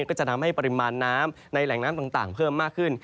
ก็จะทำให้ปริมาณน้ำในแหล่งน้ำต่างเพิ่มมากขึ้น